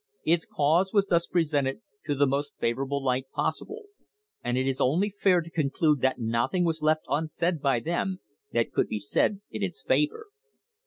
Its cause was thus presented to the most favourable light possible, and it is only fair to conclude that nothing was left unsaid by them that could be said in its favour.